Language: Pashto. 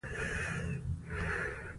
په افغانستان کې مزارشریف شتون لري.